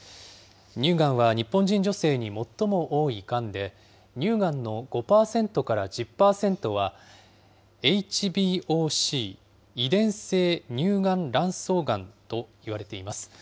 乳がんは日本人女性に最も多いがんで、乳がんの５％から１０％は、ＨＢＯＣ・遺伝性乳がん卵巣がんといわれています。